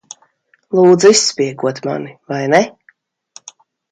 Lūdza izspiegot mani, vai ne?